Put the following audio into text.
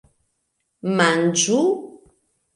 Manĝu!